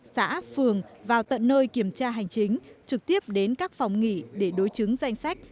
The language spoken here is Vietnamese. xã phường vào tận nơi kiểm tra hành chính trực tiếp đến các phòng nghỉ để đối chứng danh sách